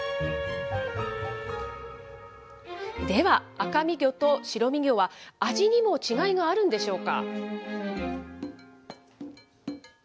では、赤身魚と白身魚は味にも違いがあるんでしょうか。